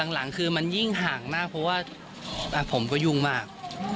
หลังคือมันยิ่งห่างมากเพราะว่าผมก็ยุ่งมาก